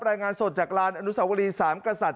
รายงานสดจากลานอนุสาวรีสามกษัตริย